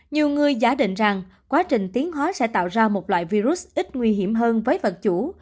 nhiều người giả định rằng quá trình tiến hóa sẽ tạo ra một loại virus ít nguy hiểm hơn với vật chủ